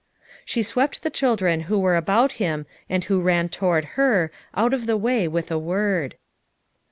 She swept the children who were about him and who ran toward her, out of her way with a word.